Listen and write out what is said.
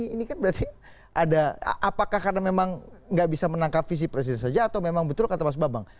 ini kan berarti ada apakah karena memang nggak bisa menangkap visi presiden saja atau memang betul kata mas bambang